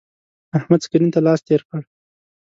احمد سکرین ته لاس تیر کړ.